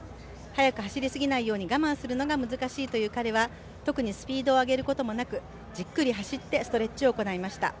速く走りすぎないように我慢するのが難しいという彼は特にスピードを上げることもなくじっくり走ってストレッチを行いました。